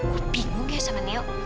gue bingung ya sama niu